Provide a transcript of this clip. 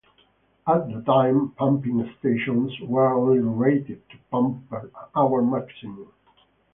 At the time, pumping stations were only rated to pump per hour maximum.